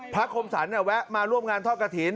พระคมสรรสารแวะมาร่วมงานท่อกะถิน